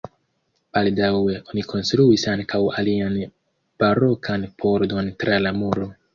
Baldaŭe oni konstruis ankaŭ alian barokan pordon tra la muro.